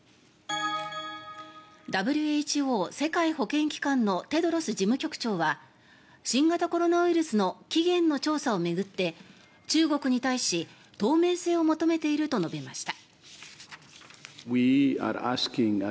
ＷＨＯ・世界保健機関のテドロス事務局長は新型コロナウイルスの起源の調査を巡って中国に対し透明性を求めていると述べました。